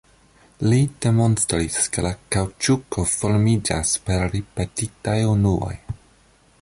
Li demonstris ke la kaŭĉuko formiĝas per ripetitaj unuoj.